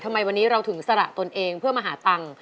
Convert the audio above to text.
ทำไมวันนี้เราถึงสละตนเองเพื่อมาหาตังค์